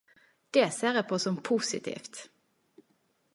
Det ser eg på som positivt!